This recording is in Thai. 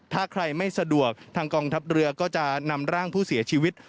ถ้าใครไม่สะดวกทางกองทัพเรือก็จะนำร่างผู้เสียชีวิต